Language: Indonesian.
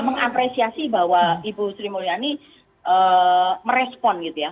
mengapresiasi bahwa ibu sri mulyani merespon gitu ya